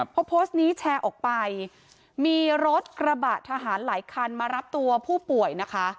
พอโพสต์นี้แชร์ออกไปมีรถกระบะทหารหลายคันมารับตัวผู้ป่วยนะคะ